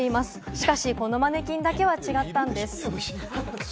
しかし、このマネキンだけは違ったんです。